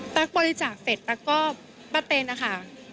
ตั้งบริจาคเสร็จแล้วก็ป้าเต็นน่ะค่ะ